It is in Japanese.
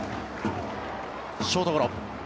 ショートゴロ。